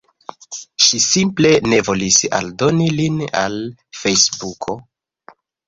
Ŝi simple ne volis aldoni lin al Fejsbuko.